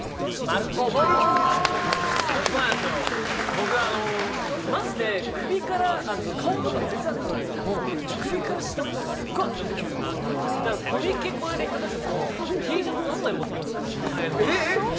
僕、マジで顔は全然汗かかないんですけど首から下がすごい汗かくんですけどコミケ、この間行った時もＴシャツ３枚持っていきましたね替えの。